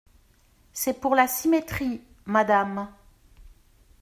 C’est pour la symétrie, madame.